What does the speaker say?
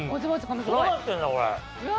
どうなってんだこれ！